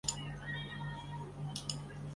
出身海宁查氏望族。